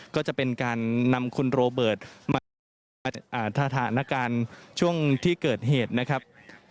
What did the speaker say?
ก็จะเป็นการนำคุณโรเบิร์ตมาตรวจสอบสถานการณ์ช่วงที่เกิดเหตุนะครับ